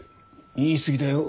言い過ぎだよ。